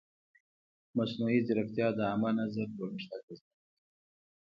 مصنوعي ځیرکتیا د عامه نظر جوړښت اغېزمنوي.